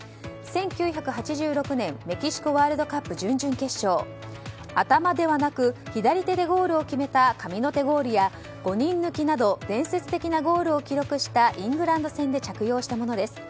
１９８６年メキシコワールドカップ準々決勝頭ではなく左手でゴールを決めた神の手ゴールや、５人抜きなど伝説的なゴールを記録したイングランド戦で着用したものです。